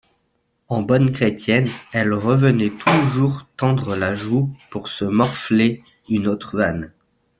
En bonne chrétienne, elle revenait toujours tendre la joue pour se morfler une autre vanne.